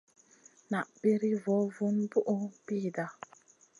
Na piri vo vun bùhʼu pida.